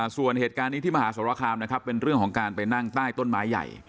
ส่วนเหตุการณ์นี้ที่มหาสรคามนะครับเป็นเรื่องของการไปนั่งใต้ต้นไม้ใหญ่